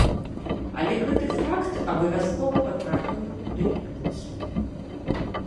Але гэты факт абавязкова патрапіў бы куды-небудзь.